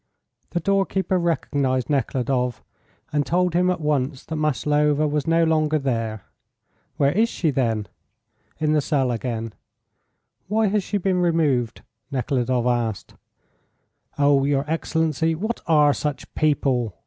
The doorkeeper recognised Nekhludoff, and told him at once that Maslova was no longer there. "Where is she, then?" "In the cell again." "Why has she been removed?" Nekhludoff asked. "Oh, your excellency, what are such people?"